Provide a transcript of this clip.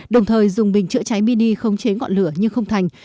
đồng thời dùng bình chữa cháy mini khống chế ngọn lửa nhưng không thành